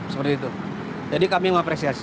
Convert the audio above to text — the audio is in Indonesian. seperti itu jadi kami mengapresiasi